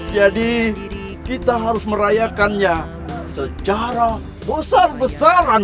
jadi kita harus merayakannya secara besar besaran raden